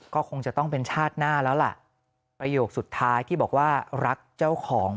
ก็คงจะต้องเป็นชาติหน้าแล้วล่ะประโยคสุดท้ายที่บอกว่ารักเจ้าของ